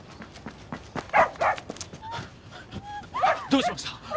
どうしました？